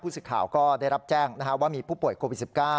ผู้ศึกข่าวก็ได้รับแจ้งนะฮะว่ามีผู้ป่วยโควิด๑๙